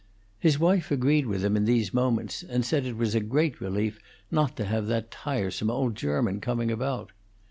His wife agreed with him in these moments, and said it was a great relief not to have that tiresome old German coming about.